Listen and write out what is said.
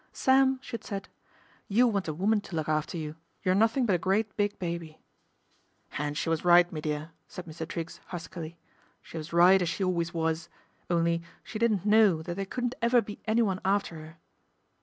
" Sam," she had said, " you want a woman to look after you ; you're nothing but a great, big baby." " And she was right, me dear," said Mr. Triggs huskily, " she was right as she always was, only she didn't know that there couldn't ever be anyone after 'er."